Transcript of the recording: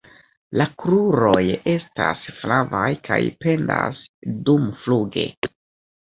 La kruroj estas flavaj kaj pendas dumfluge.